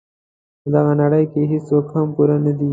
په دغه نړۍ کې هیڅوک هم پوره نه دي.